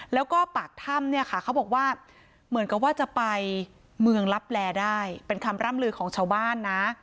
แล้วก็ปากถ้ำเนี่ยค่ะเขาบอกว่าเหมือนกับว่าจะไปเมืองลับแลได้เป็นคำร่ำลือของชาวบ้านนะ